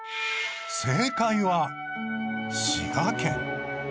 正解は滋賀県。